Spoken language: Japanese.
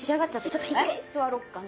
ちょっと一回座ろっかね。